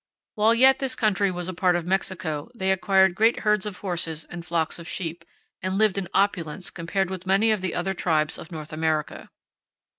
While yet this country was a part of Mexico they acquired great herds of horses and flocks of sheep, and lived in opulence compared with many of the other tribes of North America.